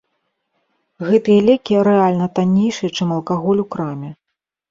Гэтыя лекі рэальна таннейшыя, чым алкаголь у краме.